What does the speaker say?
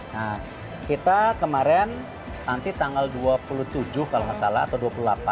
nah kita kemarin nanti tanggal dua puluh tujuh kalau nggak salah atau dua puluh delapan